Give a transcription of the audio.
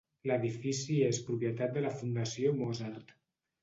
L'edifici és propietat de la Fundació Mozart.